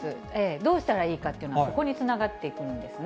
どうしたらいいかというのは、そこにつながっていくんですね。